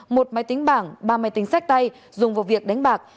một máy tính bảng ba máy tính sách tay dùng vào việc đánh bạc